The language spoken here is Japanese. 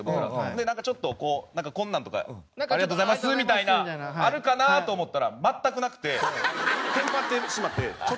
でなんかちょっとこうこんなんとか「ありがとうございます」みたいなあるかなと思ったら全くなくてテンパってしまって。